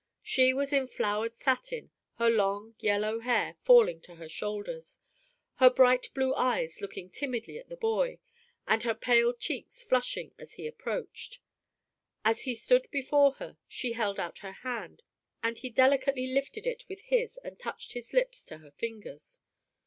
She was in flowered satin, her long, yellow hair falling to her shoulders, her light blue eyes looking timidly at the boy, and her pale cheeks flushing as he approached. As he stood before her, she held out her hand, and he delicately lifted it with his and touched his lips to her fingers.